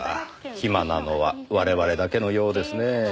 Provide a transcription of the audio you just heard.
暇なのは我々だけのようですねぇ。